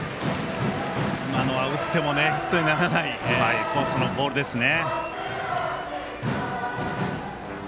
今のは打ってもヒットにならないコースのボールですね。